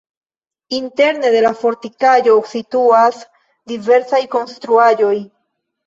Interne de la fortikaĵo situas diversaj konstruaĵoj.